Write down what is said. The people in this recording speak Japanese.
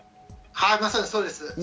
そうです。